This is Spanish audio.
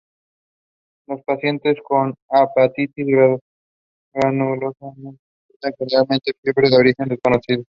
Los pacientes con hepatitis granulomatosa presentan generalmente fiebre de origen desconocido.